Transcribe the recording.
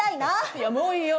いやもういいよ。